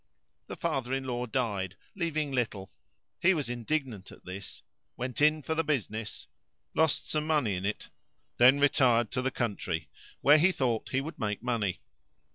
The father in law died, leaving little; he was indignant at this, "went in for the business," lost some money in it, then retired to the country, where he thought he would make money.